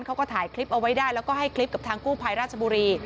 เขาก็ถ่ายคลิปเอาไว้ได้แล้วก็ให้คลิปกับทางกู้ภัยราชบุรี